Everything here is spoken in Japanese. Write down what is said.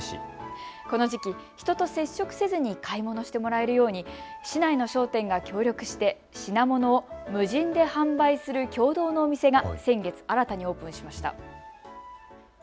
この時期、人と接触せずに買い物してもらえるように市内の商店が協力して品物を無人で販売する共同のお店が先月新たにオープンしました。